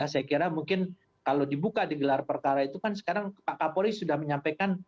saya kira mungkin kalau dibuka di gelar perkara itu kan sekarang pak kapolri sudah menyampaikan